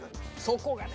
そこがね。